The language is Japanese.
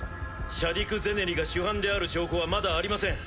シャディク・ゼネリが主犯である証拠はまだありません。